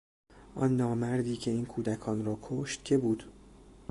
آن نامردی که این کودکان را کشت کی بود؟